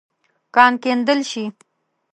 کان کیندل شې.